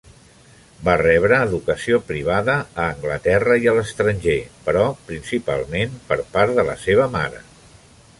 Va rebre educació privada, a Anglaterra i a l'estranger, però principalment per part de la seva mare.